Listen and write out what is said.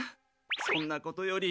そんなことより。